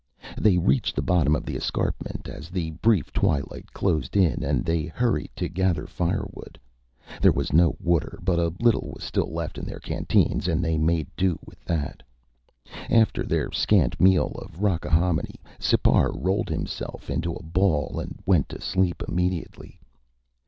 They reached the bottom of the escarpment as the brief twilight closed in and they hurried to gather firewood. There was no water, but a little was still left in their canteens and they made do with that. After their scant meal of rockahominy, Sipar rolled himself into a ball and went to sleep immediately.